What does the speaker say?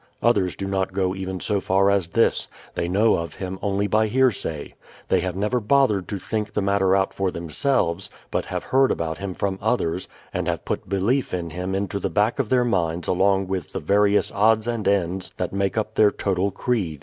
Others do not go even so far as this; they know of Him only by hearsay. They have never bothered to think the matter out for themselves, but have heard about Him from others, and have put belief in Him into the back of their minds along with the various odds and ends that make up their total creed.